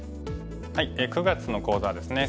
９月の講座はですね